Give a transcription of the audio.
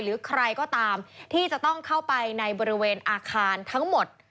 หรือใครก็ตามที่จะต้องเข้าไปในบริเวณอาคารทั้งหมด